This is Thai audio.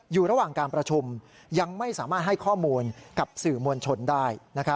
อยู่ระหว่างการประชุมยังไม่สามารถให้ข้อมูลกับสื่อมวลชนได้